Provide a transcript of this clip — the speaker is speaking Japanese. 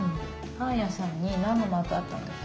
パンやさんになんのマークあったんだっけ？